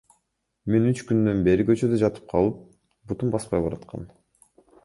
Мен үч күндөн бери көчөдө жатып калып, бутум баспай бараткан.